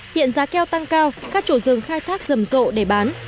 hiện giá keo tăng cao các chủ rừng khai thác rầm rộ để bán